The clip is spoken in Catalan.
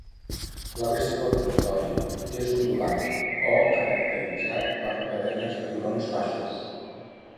La resta del territori és ondulat o caracteritzat per cadenes de turons baixos.